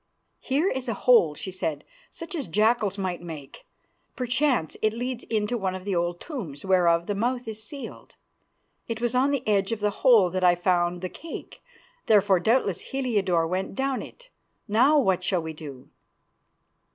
"Here is a hole," she said, "such as jackals might make. Perchance it leads into one of the old tombs whereof the mouth is sealed. It was on the edge of the hole that I found the cake, therefore doubtless Heliodore went down it. Now, what shall we do?"